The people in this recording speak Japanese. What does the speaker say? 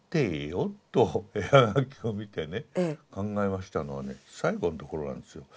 絵葉書を見てね考えましたのはね最後のところなんですよ。